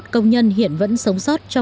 bốn mươi một công nhân hiện vẫn sống sót